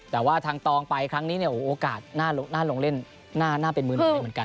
แต่ว่าทางตองไปครั้งนี้เนี่ยโอกาสน่าลงเล่นน่าเป็นมือหนึ่งเลยเหมือนกัน